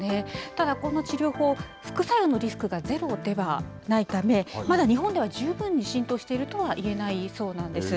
ただ、この治療法、副作用のリスクがゼロではないため、まだ日本では十分に浸透しているとは言えないそうなんです。